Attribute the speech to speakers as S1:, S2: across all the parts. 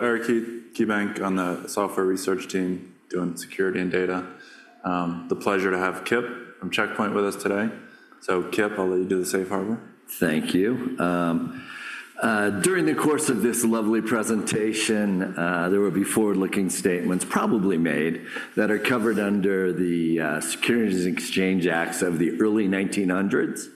S1: Eric Heath, KeyBanc on the software research team doing security and data. The pleasure to have Kip from Check Point with us today. So Kip, I'll let you do the safe harbor.
S2: Thank you. During the course of this lovely presentation, there will be forward-looking statements probably made that are covered under the, Securities and Exchange Acts of the early 1900s.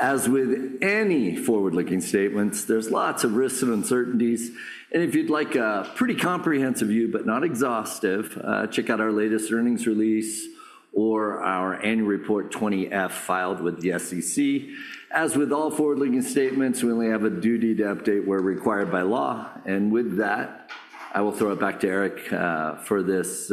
S2: As with any forward-looking statements, there's lots of risks and uncertainties, and if you'd like a pretty comprehensive view, but not exhaustive, check out our latest earnings release or our Annual Report 20-F filed with the SEC. As with all forward-looking statements, we only have a duty to update where required by law. And with that, I will throw it back to Eric, for this,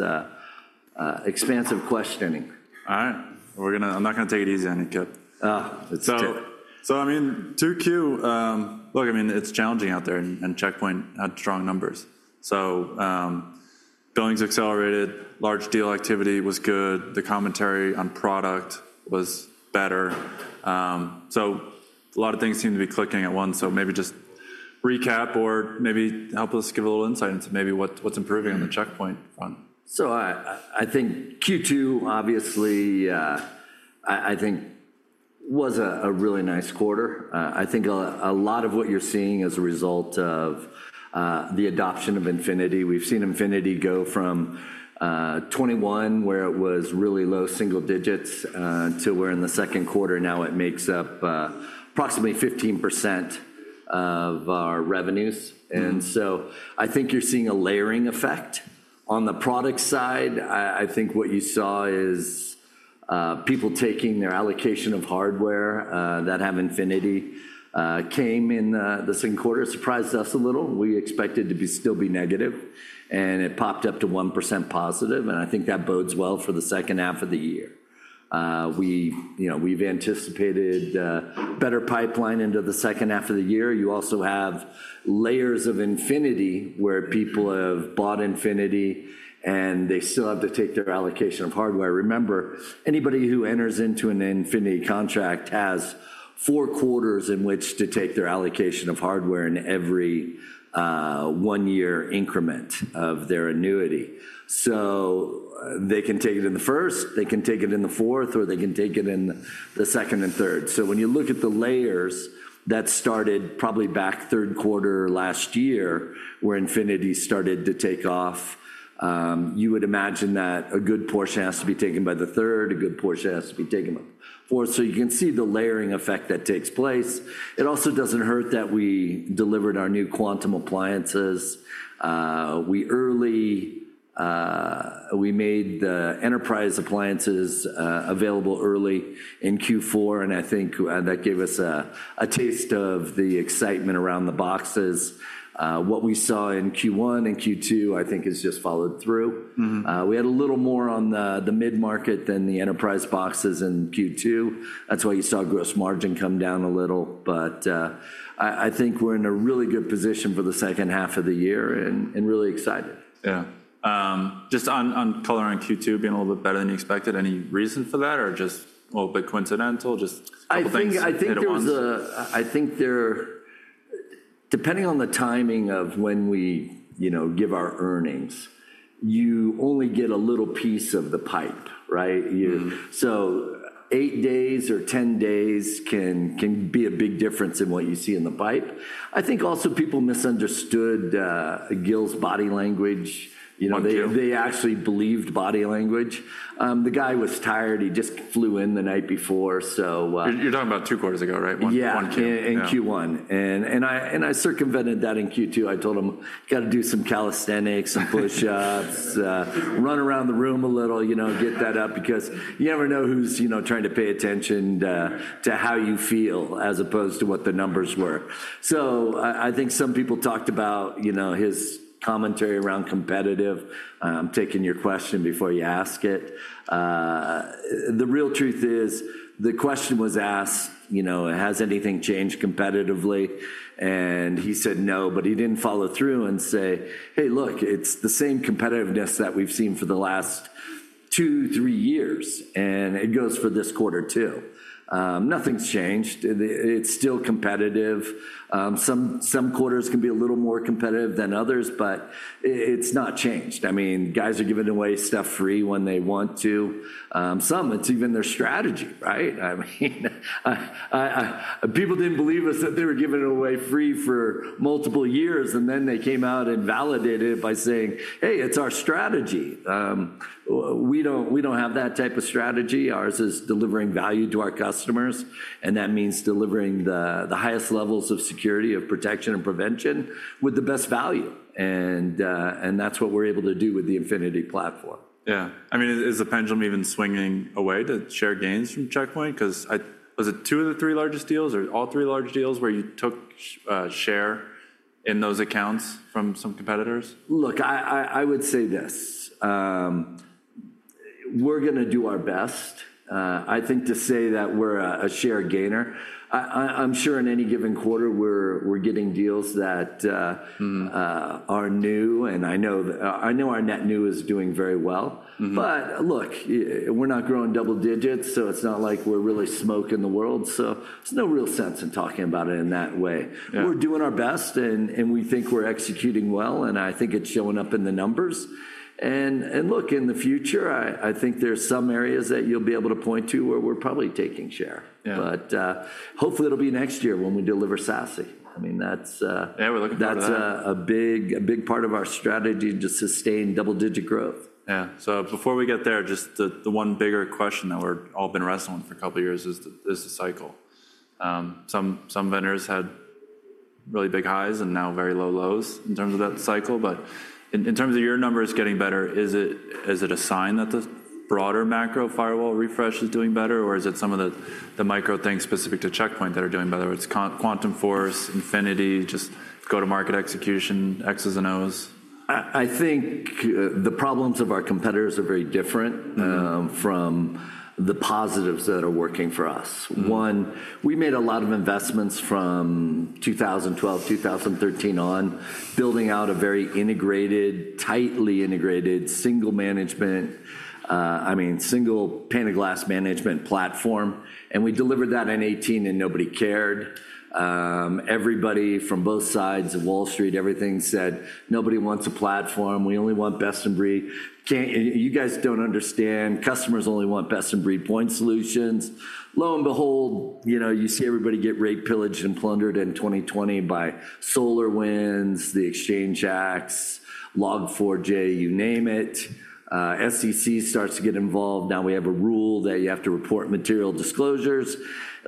S2: expansive questioning.
S1: All right. We're gonna. I'm not gonna take it easy on you, Kip.
S2: Ah, let's do it.
S1: So, so I mean, 2Q, look, I mean, it's challenging out there, and, and Check Point had strong numbers. So, billings accelerated, large deal activity was good, the commentary on product was better. So a lot of things seem to be clicking at once. So maybe just recap or maybe help us give a little insight into maybe what's, what's improving on the Check Point front.
S2: So I think Q2 obviously, I think was a really nice quarter. I think a lot of what you're seeing is a result of the adoption of Infinity. We've seen Infinity go from 2021, where it was really low single digits, to where in the second quarter now it makes up approximately 15% of our revenues.
S1: Mm-hmm.
S2: And so I think you're seeing a layering effect. On the product side, I think what you saw is, people taking their allocation of hardware that have Infinity came in the second quarter. Surprised us a little. We expected to still be negative, and it popped up to 1% positive, and I think that bodes well for the second half of the year. You know, we've anticipated better pipeline into the second half of the year. You also have layers of Infinity, where people have bought Infinity, and they still have to take their allocation of hardware. Remember, anybody who enters into an Infinity contract has four quarters in which to take their allocation of hardware in every one-year increment of their annuity. So they can take it in the first, they can take it in the fourth, or they can take it in the second and third. So when you look at the layers that started probably back third quarter last year, where Infinity started to take off, you would imagine that a good portion has to be taken by the third, a good portion has to be taken up fourth. So you can see the layering effect that takes place. It also doesn't hurt that we delivered our new Quantum appliances. We made the enterprise appliances available early in Q4, and I think that gave us a taste of the excitement around the boxes. What we saw in Q1 and Q2, I think, has just followed through.
S1: Mm-hmm.
S2: We had a little more on the mid-market than the enterprise boxes in Q2. That's why you saw gross margin come down a little, but I think we're in a really good position for the second half of the year and really excited.
S1: Yeah. Just on, on color on Q2 being a little bit better than you expected, any reason for that, or just a little bit coincidental, just a couple things-
S2: I think there was a-
S1: hit at once.
S2: I think, depending on the timing of when we, you know, give our earnings, you only get a little piece of the pipe, right?
S1: Mm-hmm.
S2: So eight days or 10 days can be a big difference in what you see in the pipe. I think also people misunderstood Gil's body language.
S1: Q2.
S2: You know, they actually believed body language. The guy was tired. He just flew in the night before, so-
S1: You're talking about two quarters ago, right?
S2: Yeah.
S1: One, Q1.
S2: In Q1.
S1: Yeah.
S2: I circumvented that in Q2. I told him, "You got to do some calisthenics, some push-ups, run around the room a little, you know, get that up," because you never know who's, you know, trying to pay attention to how you feel as opposed to what the numbers were. So I think some people talked about, you know, his commentary around competitive. Taking your question before you ask it. The real truth is, the question was asked, you know: Has anything changed competitively? And he said, "No," but he didn't follow through and say, "Hey, look, it's the same competitiveness that we've seen for the last two, three years, and it goes for this quarter, too." Nothing's changed. It's still competitive. Some quarters can be a little more competitive than others, but it's not changed. I mean, guys are giving away stuff free when they want to. Some, it's even their strategy, right? I mean, People didn't believe us that they were giving it away free for multiple years, and then they came out and validated it by saying, "Hey, it's our strategy." We don't, we don't have that type of strategy. Ours is delivering value to our customers, and that means delivering the, the highest levels of security, of protection and prevention with the best value. And that's what we're able to do with the Infinity platform.
S1: Yeah. I mean, is the pendulum even swinging away to share gains from Check Point? 'Cause I was it two of the three largest deals or all three large deals where you took share in those accounts from some competitors?
S2: Look, I would say this, we're gonna do our best. I think to say that we're a share gainer, I'm sure in any given quarter, we're getting deals that,
S1: Mm-hmm...
S2: are new, and I know that, I know our net new is doing very well.
S1: Mm-hmm.
S2: But look, we're not growing double digits, so it's not like we're really smoking the world, so there's no real sense in talking about it in that way.
S1: Yeah.
S2: We're doing our best, and we think we're executing well, and I think it's showing up in the numbers. And look, in the future, I think there's some areas that you'll be able to point to where we're probably taking share.
S1: Yeah.
S2: But, hopefully it'll be next year when we deliver SASE. I mean, that's-
S1: Yeah, we're looking for that.
S2: That's a big part of our strategy to sustain double-digit growth.
S1: Yeah. So before we get there, just the one bigger question that we're all been wrestling for a couple of years is the cycle. Some vendors had really big highs and now very low lows in terms of that cycle. But in terms of your numbers getting better, is it a sign that the broader macro firewall refresh is doing better, or is it some of the micro things specific to Check Point that are doing better, whether it's Quantum Force, Infinity, just go-to-market execution, X's and O's?
S2: I think the problems of our competitors are very different-
S1: Mm-hmm...
S2: from the positives that are working for us.
S1: Mm.
S2: One, we made a lot of investments from 2012, 2013 on, building out a very integrated, tightly integrated, single management, I mean, single pane of glass management platform, and we delivered that in 2018, and nobody cared. Everybody from both sides of Wall Street, everything said, "Nobody wants a platform. We only want best in breed. you guys don't understand. Customers only want best in breed point solutions." Lo and behold, you know, you see everybody get raped, pillaged, and plundered in 2020 by SolarWinds, the Exchange Acts, Log4j, you name it. SEC starts to get involved. Now we have a rule that you have to report material disclosures.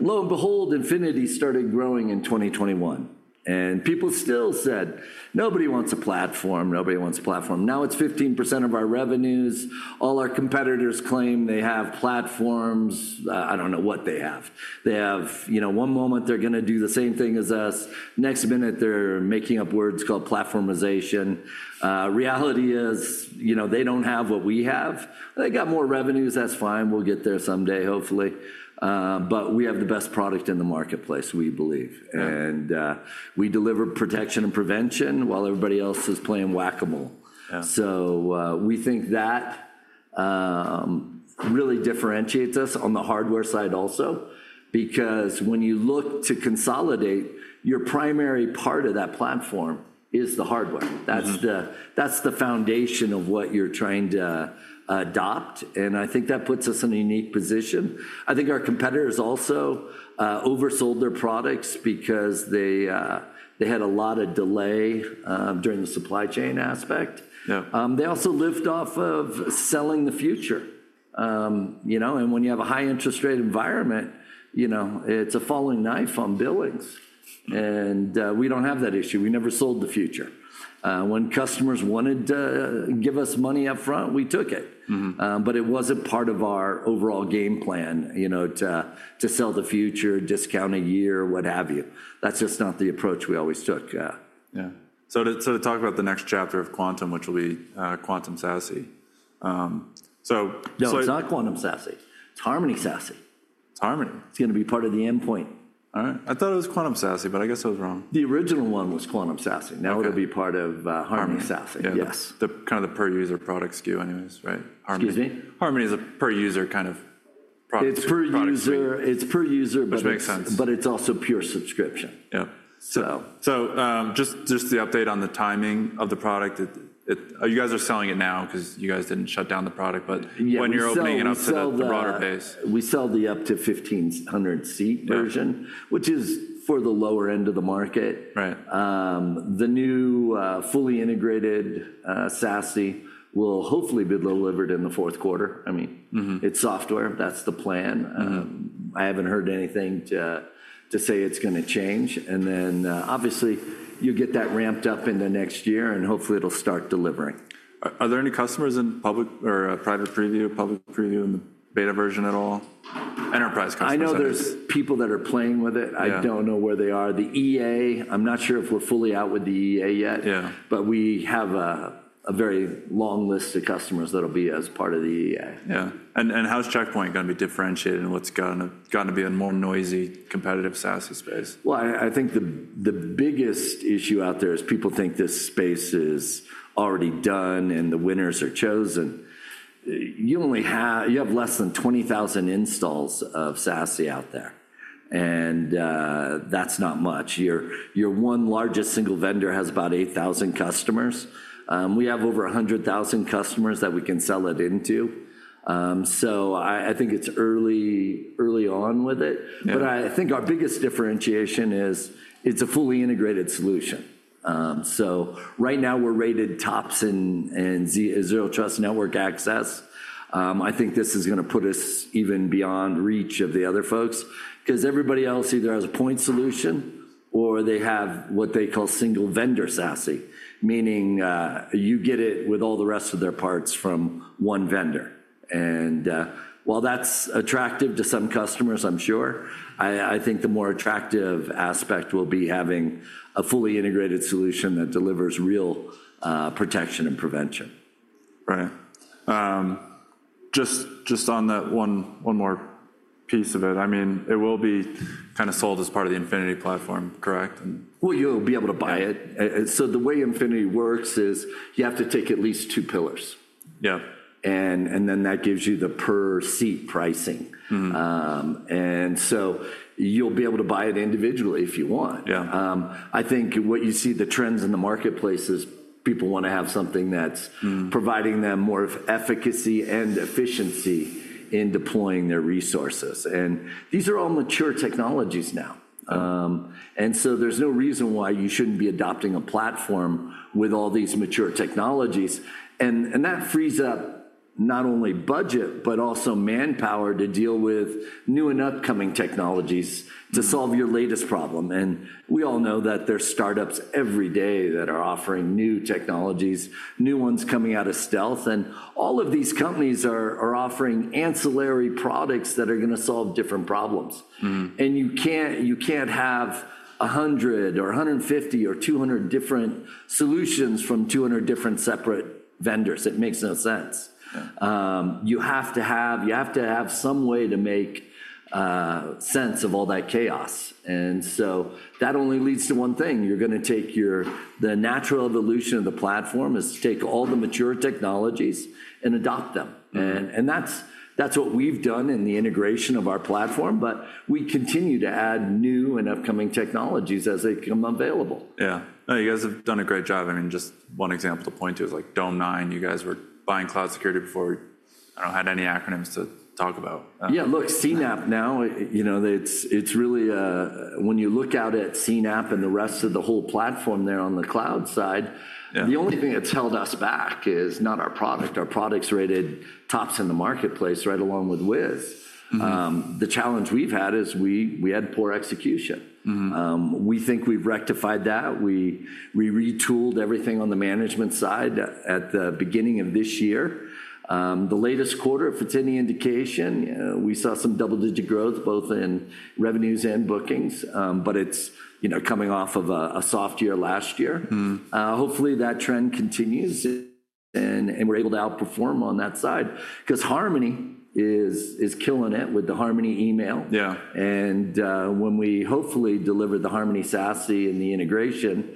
S2: Lo and behold, Infinity started growing in 2021, and people still said, "Nobody wants a platform. Nobody wants a platform." Now, it's 15% of our revenues. All our competitors claim they have platforms. I don't know what they have. They have, you know, one moment, they're gonna do the same thing as us. Next minute, they're making up words called platformization. Reality is, you know, they don't have what we have. They got more revenues, that's fine. We'll get there someday, hopefully. But we have the best product in the marketplace, we believe.
S1: Yeah.
S2: We deliver protection and prevention while everybody else is playing Whac-A-Mole.
S1: Yeah.
S2: So, we think that really differentiates us on the hardware side also, because when you look to consolidate, your primary part of that platform is the hardware.
S1: Mm-hmm.
S2: That's the, that's the foundation of what you're trying to, adopt, and I think that puts us in a unique position. I think our competitors also, oversold their products because they, they had a lot of delay, during the supply chain aspect.
S1: Yeah.
S2: They also lived off of selling the future. You know, and when you have a high interest rate environment, you know, it's a falling knife on billings, and we don't have that issue. We never sold the future. When customers wanted to give us money up front, we took it.
S1: Mm-hmm.
S2: But it wasn't part of our overall game plan, you know, to sell the future, discount a year, what have you. That's just not the approach we always took.
S1: Yeah. So to talk about the next chapter of Quantum, which will be Quantum SASE. So-
S2: No, it's not Quantum SASE. It's Harmony SASE.
S1: It's Harmony.
S2: It's gonna be part of the endpoint.
S1: All right. I thought it was Quantum SASE, but I guess I was wrong.
S2: The original one was Quantum SASE.
S1: Okay.
S2: Now, it'll be part of Harmony SASE.
S1: Harmony.
S2: Yes.
S1: Kinda the per user product SKU anyways, right? Harmony-
S2: Excuse me?
S1: Harmony is a per user kind of product-
S2: It's per user.
S1: - product.
S2: It's per user, but it's-
S1: Which makes sense....
S2: but it's also pure subscription.
S1: Yep.
S2: So-
S1: So, just the update on the timing of the product. You guys are selling it now 'cause you guys didn't shut down the product, but-
S2: Yeah...
S1: when you're opening it up to the broader base.
S2: We sell the up to 1,500-seat version-
S1: Yeah...
S2: which is for the lower end of the market.
S1: Right.
S2: The new, fully integrated, SASE will hopefully be delivered in the fourth quarter. I mean-
S1: Mm-hmm...
S2: it's software. That's the plan.
S1: Mm-hmm.
S2: I haven't heard anything to say it's gonna change, and then, obviously, you'll get that ramped up in the next year, and hopefully it'll start delivering.
S1: Are there any customers in public or private preview, public preview, and beta version at all? Enterprise customers, I mean.
S2: I know there's people that are playing with it.
S1: Yeah.
S2: I don't know where they are. The EA, I'm not sure if we're fully out with the EA yet.
S1: Yeah.
S2: But we have a very long list of customers that'll be as part of the EA.
S1: Yeah. And how's Check Point gonna be differentiated, and what's gonna be a more noisy, competitive SASE space?
S2: Well, I think the biggest issue out there is people think this space is already done and the winners are chosen. You only have less than 20,000 installs of SASE out there, and that's not much. Your one largest single vendor has about 8,000 customers. We have over 100,000 customers that we can sell it into. So I think it's early on with it.
S1: Yeah.
S2: But I think our biggest differentiation is it's a fully integrated solution. So right now we're rated tops in Zero Trust Network Access. I think this is gonna put us even beyond reach of the other folks, 'cause everybody else either has a point solution or they have what they call single vendor SASE, meaning you get it with all the rest of their parts from one vendor. While that's attractive to some customers, I'm sure, I think the more attractive aspect will be having a fully integrated solution that delivers real protection and prevention....
S1: Right. Just on that one, one more piece of it, I mean, it will be kind of sold as part of the Infinity platform, correct?
S2: Well, you'll be able to buy it.
S1: Yeah.
S2: And so the way Infinity works is you have to take at least two pillars.
S1: Yeah.
S2: Then that gives you the per seat pricing.
S1: Mm-hmm.
S2: And so you'll be able to buy it individually if you want.
S1: Yeah.
S2: I think what you see the trends in the marketplace is people wanna have something that's-
S1: Mm...
S2: providing them more of efficacy and efficiency in deploying their resources. And these are all mature technologies now. And so there's no reason why you shouldn't be adopting a platform with all these mature technologies. And that frees up not only budget, but also manpower to deal with new and upcoming technologies-
S1: Mm...
S2: to solve your latest problem. We all know that there are startups every day that are offering new technologies, new ones coming out of stealth, and all of these companies are offering ancillary products that are gonna solve different problems.
S1: Mm.
S2: You can't have 100 or 150 or 200 different solutions from 200 different separate vendors. It makes no sense.
S1: Yeah.
S2: You have to have, you have to have some way to make sense of all that chaos, and so that only leads to one thing. You're gonna take your... The natural evolution of the platform is to take all the mature technologies and adopt them.
S1: Mm.
S2: And that's what we've done in the integration of our platform, but we continue to add new and upcoming technologies as they become available.
S1: Yeah. No, you guys have done a great job. I mean, just one example to point to is like Dome9, you guys were buying cloud security before, I don't have any acronyms to talk about.
S2: Yeah, look, CNAPP now, you know, it's really a... When you look out at CNAPP and the rest of the whole platform there on the cloud side-
S1: Yeah...
S2: the only thing that's held us back is not our product. Our product's rated tops in the marketplace, right along with Wiz.
S1: Mm.
S2: The challenge we've had is we had poor execution.
S1: Mm.
S2: We think we've rectified that. We retooled everything on the management side at the beginning of this year. The latest quarter, if it's any indication, we saw some double-digit growth, both in revenues and bookings, but it's, you know, coming off of a soft year last year.
S1: Mm.
S2: Hopefully, that trend continues, and we're able to outperform on that side. 'Cause Harmony is killing it with the Harmony Email.
S1: Yeah.
S2: And, when we hopefully deliver the Harmony SASE and the integration,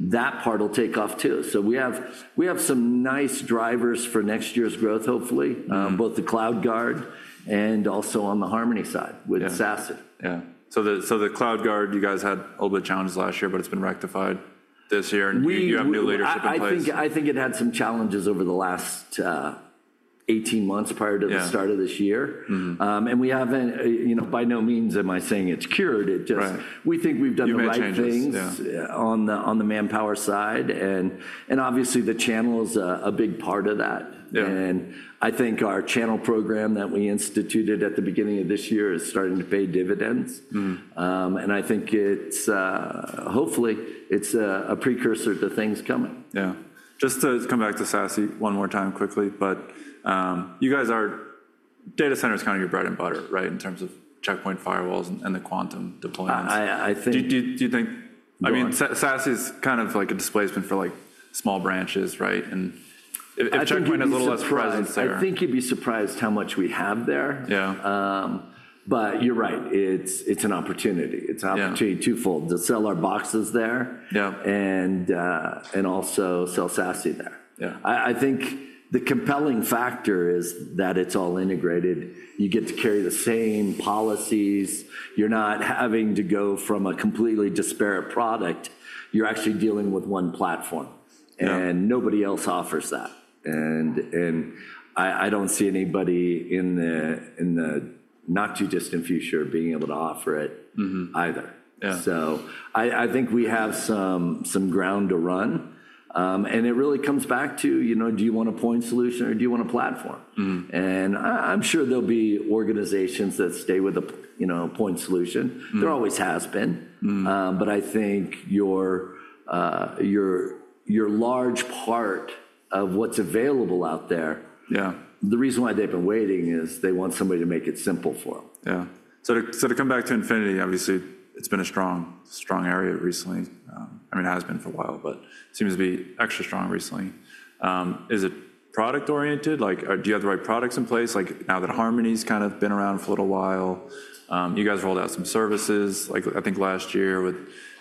S2: that part will take off too. So we have, we have some nice drivers for next year's growth, hopefully-
S1: Mm...
S2: both the CloudGuard and also on the Harmony side-
S1: Yeah
S2: -with SASE.
S1: Yeah. So the CloudGuard, you guys had a little bit of challenges last year, but it's been rectified this year, and-
S2: We-
S1: You have new leadership in place.
S2: I think it had some challenges over the last 18 months prior to-
S1: Yeah...
S2: the start of this year.
S1: Mm-hmm.
S2: We haven't, you know, by no means am I saying it's cured. It just-
S1: Right.
S2: We think we've done the right things-
S1: You made changes. Yeah...
S2: on the manpower side, and obviously the channel is a big part of that.
S1: Yeah.
S2: I think our channel program that we instituted at the beginning of this year is starting to pay dividends.
S1: Mm.
S2: And I think it's, hopefully, it's a precursor to things coming.
S1: Yeah. Just to come back to SASE one more time quickly, but you guys are... Data center is kind of your bread and butter, right? In terms of Check Point firewalls and, and the Quantum deployments.
S2: I think.
S1: Do you think-
S2: Go on.
S1: I mean, SASE is kind of like a displacement for, like, small branches, right? And if Check Point-
S2: I think you'd be surprised....
S1: is a little less present there.
S2: I think you'd be surprised how much we have there.
S1: Yeah.
S2: But you're right, it's an opportunity.
S1: Yeah.
S2: It's an opportunity twofold, to sell our boxes there-
S1: Yeah...
S2: and also sell SASE there.
S1: Yeah.
S2: I think the compelling factor is that it's all integrated. You get to carry the same policies. You're not having to go from a completely disparate product. You're actually dealing with one platform-
S1: Yeah...
S2: and nobody else offers that. I don't see anybody in the not-too-distant future being able to offer it.
S1: Mm-hmm...
S2: either.
S1: Yeah.
S2: So I think we have some ground to run. It really comes back to, you know, do you want a point solution or do you want a platform?
S1: Mm.
S2: I'm sure there'll be organizations that stay with a, you know, point solution.
S1: Mm.
S2: There always has been.
S1: Mm.
S2: But I think your large part of what's available out there-
S1: Yeah...
S2: the reason why they've been waiting is they want somebody to make it simple for them.
S1: Yeah. So to come back to Infinity, obviously, it's been a strong, strong area recently. I mean, it has been for a while, but it seems to be extra strong recently. Is it product-oriented? Like, do you have the right products in place? Like, now that Harmony's kind of been around for a little while, you guys rolled out some services, like, I think last year with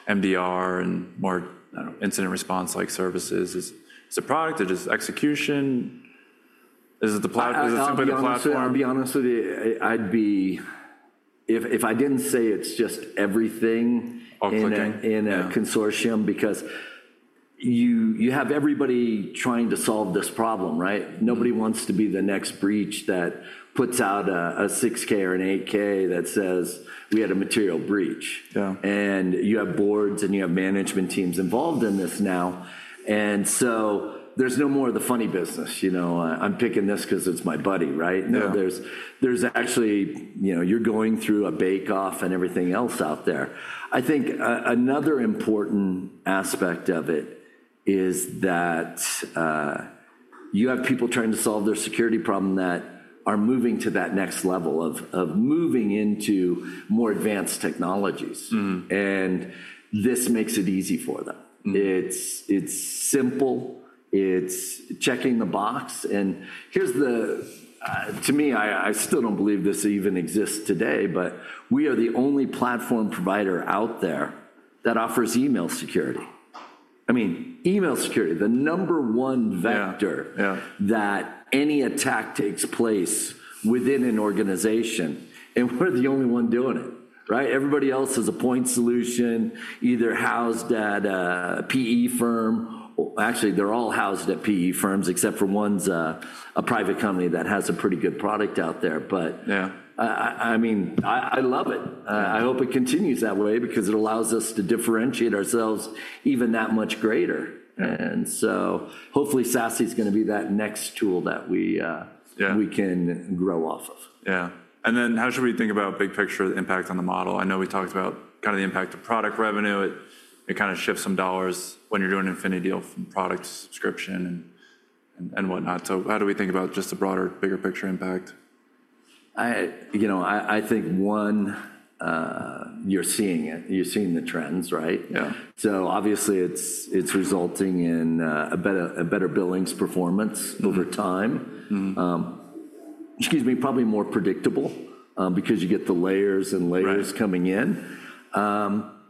S1: MDR and more, I don't know, incident response like services. Is it a product, or just execution? Is it the platform, is it a simpler platform?
S2: I'll be honest with you, I'll be honest with you, I'd be... If I didn't say it's just everything-
S1: All clicking...
S2: in a, in a-
S1: Yeah...
S2: consortium, because you, you have everybody trying to solve this problem, right?
S1: Mm.
S2: Nobody wants to be the next breach that puts out a 6-K or an 8-K that says, "We had a material breach.
S1: Yeah.
S2: You have boards, and you have management teams involved in this now, and so there's no more of the funny business. You know, "I'm picking this 'cause it's my buddy," right?
S1: Yeah.
S2: Now, there's actually, you know, you're going through a bake-off and everything else out there. I think another important aspect of it is that you have people trying to solve their security problem that are moving to that next level of moving into more advanced technologies.
S1: Mm.
S2: This makes it easy for them.
S1: Mm.
S2: It's simple. It's checking the box, and here's the, to me, I still don't believe this even exists today, but we are the only platform provider out there that offers email security. I mean, email security, the number one vector -
S1: Yeah. Yeah. -
S2: that any attack takes place within an organization, and we're the only one doing it, right? Everybody else is a point solution, either housed at a PE firm, or actually, they're all housed at PE firms, except for one's a private company that has a pretty good product out there, but - Yeah. I mean, I love it. I hope it continues that way because it allows us to differentiate ourselves even that much greater. Yeah. And so hopefully, SASE is gonna be that next tool that we -
S1: Yeah...
S2: we can grow off of.
S1: Yeah. Then how should we think about big picture, the impact on the model? I know we talked about kind of the impact of product revenue. It kind of shifts some dollars when you're doing Infinity deal from product subscription and whatnot. So how do we think about just the broader, bigger picture impact?
S2: You know, you're seeing it, you're seeing the trends, right?
S1: Yeah.
S2: So obviously, it's resulting in a better billings performance over time. Mm-hmm. Excuse me, probably more predictable, because you get the layers and layers right, coming in.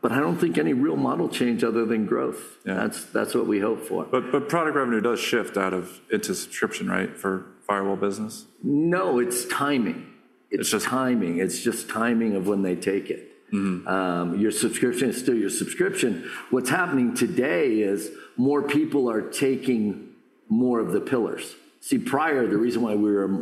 S2: But I don't think any real model change other than growth.
S1: Yeah.
S2: That's what we hope for.
S1: But product revenue does shift out of into subscription, right, for firewall business?
S2: No, it's timing.
S1: It's just timing.
S2: It's just timing of when they take it. Mm-hmm. Your subscription is still your subscription. What's happening today is more people are taking more of the pillars. See, prior, the reason why we were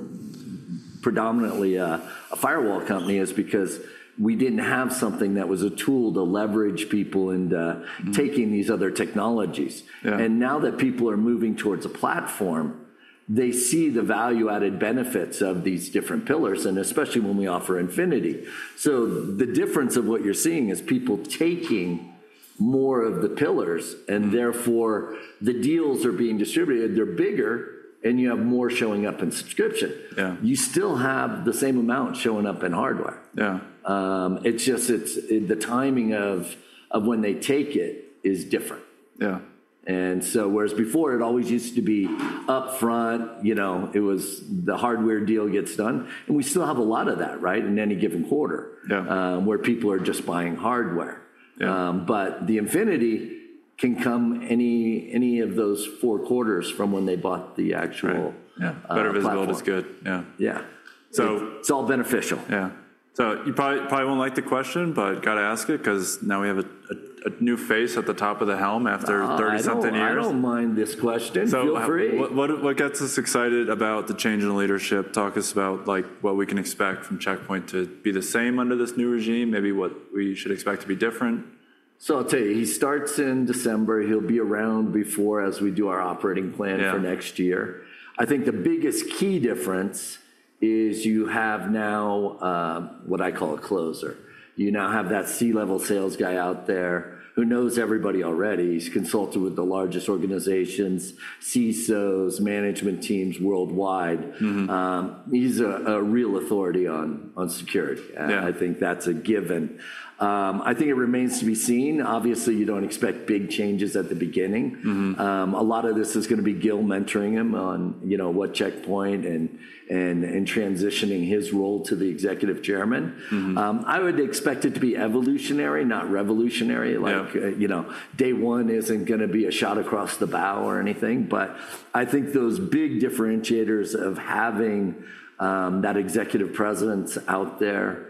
S2: predominantly a firewall company is because we didn't have something that was a tool to leverage people into taking these other technologies.
S1: Yeah.
S2: And now that people are moving towards a platform, they see the value-added benefits of these different pillars, and especially when we offer Infinity. So the difference of what you're seeing is people taking more of the pillars, and therefore, the deals are being distributed. They're bigger, and you have more showing up in subscription.
S1: Yeah.
S2: You still have the same amount showing up in hardware. Yeah. It's just the timing of when they take it is different.
S1: Yeah.
S2: And so whereas before it always used to be upfront, you know, it was the hardware deal gets done, and we still have a lot of that, right? In any given quarter— Yeah, where people are just buying hardware. Yeah. But the Infinity can come any, any of those four quarters from when they bought the actual—
S1: Right. Yeah, platform. Better visibility is good, yeah.
S2: Yeah. It's all beneficial.
S1: Yeah. So you probably, probably won't like the question, but gotta ask it 'cause now we have a, a, a new face at the top of the helm after 30-something years.
S2: I don't mind this question. Feel free.
S1: So what, what, what gets us excited about the change in leadership? Talk to us about, like, what we can expect from Check Point to be the same under this new regime, maybe what we should expect to be different.
S2: So I'll tell you, he starts in December. He'll be around before as we do our operating plan for next year.
S1: Yeah.
S2: I think the biggest key difference is you have now what I call a closer. You now have that C-level sales guy out there who knows everybody already. He's consulted with the largest organizations, CISOs, management teams worldwide.
S1: Mm-hmm.
S2: He's a real authority on security.
S1: Yeah.
S2: And I think that's a given. I think it remains to be seen. Obviously, you don't expect big changes at the beginning.
S1: Mm-hmm.
S2: A lot of this is gonna be Gil mentoring him on, you know, what Check Point and transitioning his role to the executive chairman.
S1: Mm-hmm.
S2: I would expect it to be evolutionary, not revolutionary. Yeah. Like, you know, day one isn't gonna be a shot across the bow or anything, but I think those big differentiators of having that executive presence out there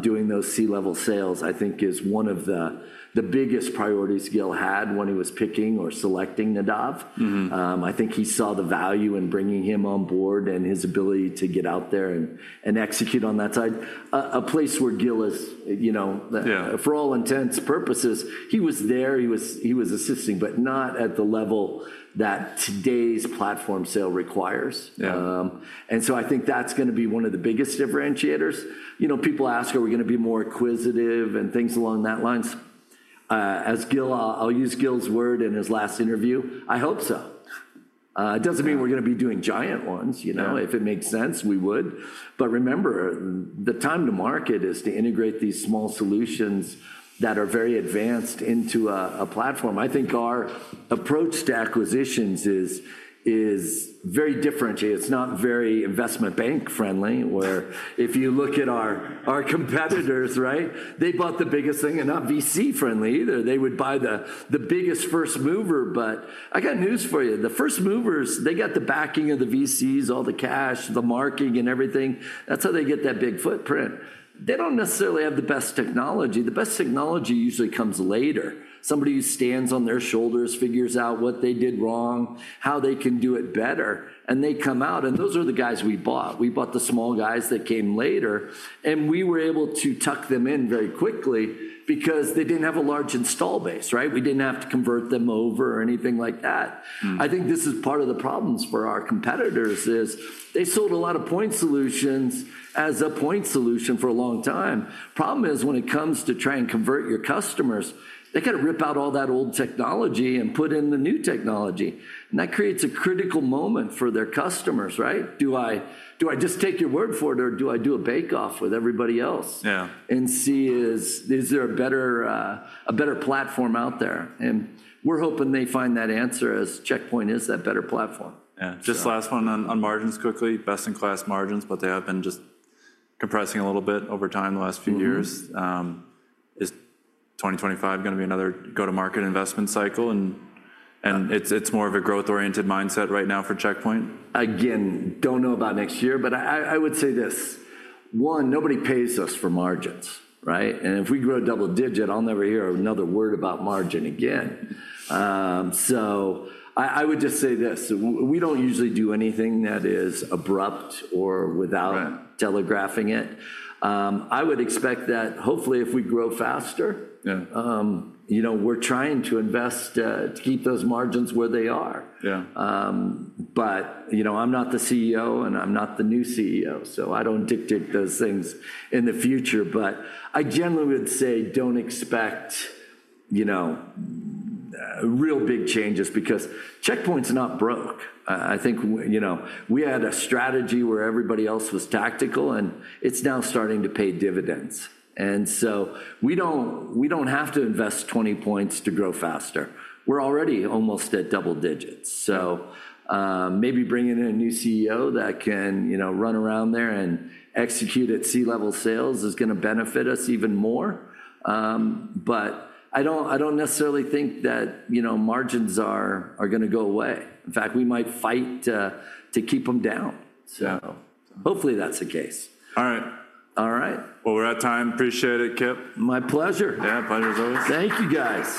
S2: doing those C-level sales is one of the biggest priorities Gil had when he was picking or selecting Nadav. Mm-hmm. I think he saw the value in bringing him on board and his ability to get out there and execute on that side. A place where Gil is, you know.
S1: Yeah,
S2: for all intents and purposes, he was there, he was assisting, but not at the level that today's platform sale requires.
S1: Yeah.
S2: And so I think that's gonna be one of the biggest differentiators. You know, people ask, are we gonna be more acquisitive and things along that line. As Gil, I'll use Gil's word in his last interview, "I hope so." It doesn't mean we're gonna be doing giant ones, you know. Yeah. If it makes sense, we would. But remember, the time to market is to integrate these small solutions that are very advanced into a platform. I think our approach to acquisitions is very different. It's not very investment bank friendly, where if you look at our competitors, right, they bought the biggest thing and not VC-friendly either. They would buy the biggest first mover, but I got news for you. The first movers, they got the backing of the VCs, all the cash, the marketing, and everything. That's how they get that big footprint. They don't necessarily have the best technology. The best technology usually comes later. Somebody who stands on their shoulders, figures out what they did wrong, how they can do it better, and they come out, and those are the guys we bought. We bought the small guys that came later, and we were able to tuck them in very quickly because they didn't have a large install base, right? We didn't have to convert them over or anything like that.
S1: Mm.
S2: I think this is part of the problems for our competitors, is they sold a lot of point solutions as a point solution for a long time. Problem is when it comes to trying to convert your customers, they've got to rip out all that old technology and put in the new technology, and that creates a critical moment for their customers, right? "Do I, do I just take your word for it, or do I do a bake off with everybody else-
S1: Yeah...
S2: and see is, is there a better, a better platform out there?" And we're hoping they find that answer as Check Point is that better platform.
S1: Yeah. Just last one on, on margins quickly. Best-in-class margins, but they have been just compressing a little bit over time the last few years. Mm-hmm. Is 2025 gonna be another go-to-market investment cycle? And, and it's, it's more of a growth-oriented mindset right now for Check Point.
S2: Again, don't know about next year, but I would say this: one, nobody pays us for margins, right? And if we grow double-digit, I'll never hear another word about margin again. So I would just say this, we don't usually do anything that is abrupt or without telegraphing it. I would expect that hopefully, if we grow faster.
S1: Yeah,
S2: you know, we're trying to invest to keep those margins where they are.
S1: Yeah.
S2: But you know, I'm not the CEO, and I'm not the new CEO, so I don't dictate those things in the future, but I generally would say don't expect, you know, real big changes because Check Point's not broke. I think, you know, we had a strategy where everybody else was tactical, and it's now starting to pay dividends. We don't have to invest 20 points to grow faster. We're already almost at double digits. So, maybe bringing in a new CEO that can, you know, run around there and execute at C-level sales is gonna benefit us even more. But I don't necessarily think that, you know, margins are gonna go away. In fact, we might fight to keep them down. So hopefully that's the case.
S1: All right. All right. Well, we're out of time. Appreciate it, Kip.
S2: My pleasure.
S1: Yeah, pleasure as always.
S2: Thank you, guys!